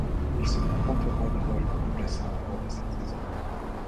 Il se contentera d'un rôle de remplaçant au cours de cette saison.